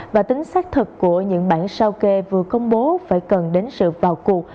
và tính xác thực của những bản sao kê vừa công bố phải cần đến sự vào cuộc